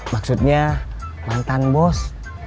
maksudnya mantan bos